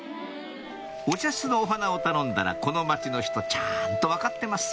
お茶室のお花を頼んだらこの町の人ちゃんと分かってます